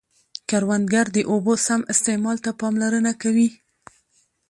کروندګر د اوبو سم استعمال ته پاملرنه کوي